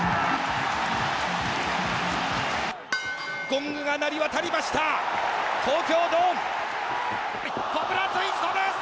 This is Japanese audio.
ゴングが鳴り渡りました東京ドーム。